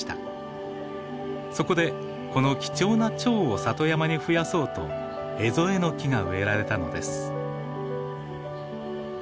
そこでこの貴重なチョウを里山にふやそうとエゾエノキが植えられたのです。